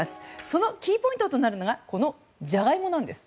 そのキーポイントとなるのがこのジャガイモなんです。